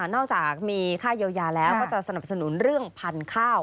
นอกจากมีค่าเยียวยาแล้วก็จะสนับสนุนเรื่องพันธุ์ข้าว